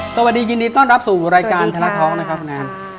สวัสดียินดีต้อนรับสู่รายการธนท้องนะครับคุณแอน